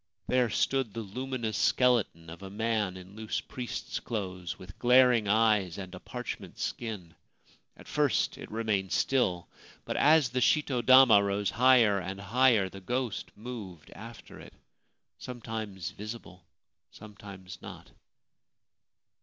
There stood the luminous skeleton of a man in loose priest's clothes, with glaring eyes and a parchment skin ! At first it remained still ; but as the shito dama rose higher and higher the ghost moved after it — sometimes visible, sometimes not.